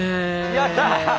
やった！